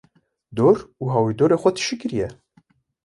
dor û hawirdorê xwe tijî kiriye.